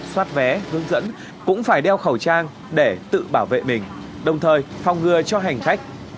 xoát vé hướng dẫn cũng phải đeo khẩu trang để tự bảo vệ mình đồng thời phòng ngừa cho hành khách